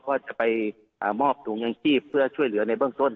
ก็จะไปมอบถุงยังชีพเพื่อช่วยเหลือในเบื้องต้น